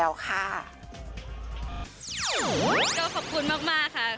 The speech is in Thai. ก็ขอบคุณมากค่ะ